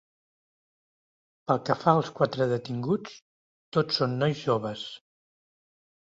Pel que fa als quatre detinguts, tots són nois joves.